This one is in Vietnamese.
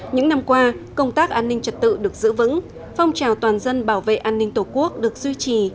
những năm qua công tác an ninh trật tự được giữ vững phong trào toàn dân bảo vệ an ninh tổ quốc được duy trì